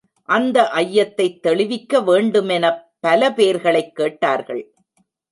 அந்த ஐயத்தைத் தெளிவிக்க வேண்டுமெனப் பல பேர்களைக் கேட்டார்கள்.